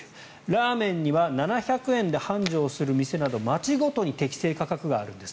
ラーメンには７００円で繁盛する店など街ごとに適正価格があるんです。